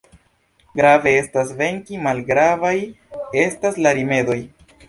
Grave estas venki, malgravaj estas la rimedoj.